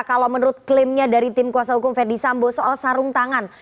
kalau menurut klaimnya dari tim kuasa hukum verdi sambo soal sarung tangan